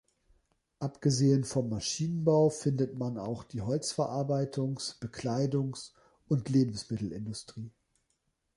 Abgesehen vom Maschinenbau findet man auch die Holzverarbeitungs-, Bekleidungs- und Lebensmittelindustrie.